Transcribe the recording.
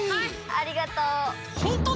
ありがとう！